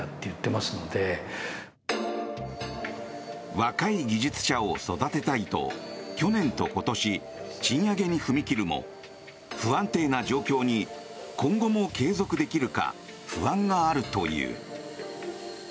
若い技術者を育てたいと去年と今年、賃上げに踏み切るも不安定な状況に今後も継続できるか不安があるという。